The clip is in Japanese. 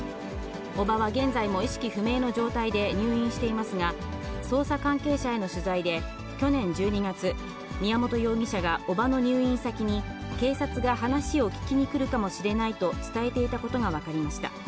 叔母は現在も意識不明の状態で入院していますが、捜査関係者への取材で、去年１２月、宮本容疑者が叔母の入院先に、警察が話を聴きに来るかもしれないと伝えていたことが分かりました。